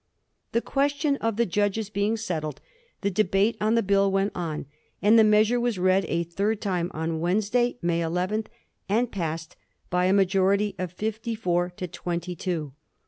The question of the judges being settled, the debate on the Bill went on, and the measure was read a third time, on Wednesday, May 1 1th, and passed by a majority of fifty four to twenty two.